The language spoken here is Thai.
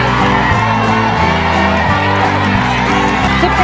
ทริปต่ออยู่มาแล้วลุง